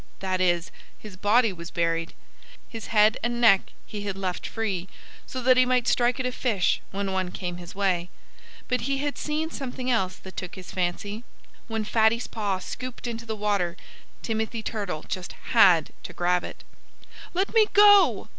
That is, his body was buried. His head and neck he had left free, so that he might strike at a fish when one came his way. But he had seen something else that took his fancy. When Fatty's paw scooped into the water Timothy Turtle just had to grab it. "Let me go!"